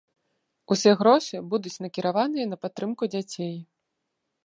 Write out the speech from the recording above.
Усе грошы будуць накіраваныя на падтрымку дзяцей.